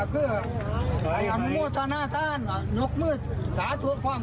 คืออายังโมทศานาตาลนกมืดสาธุพรรมการครับ